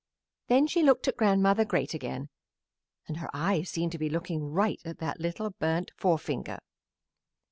Then she looked at Grandmother Great again and her eyes seemed to be looking right at that little burnt forefinger.